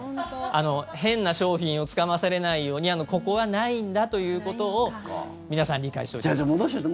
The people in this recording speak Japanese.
変な商品をつかまされないようにここはないんだということを戻しといて、戻しといて。